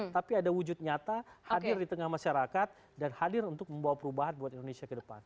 tapi ada wujud nyata hadir di tengah masyarakat dan hadir untuk membawa perubahan buat indonesia ke depan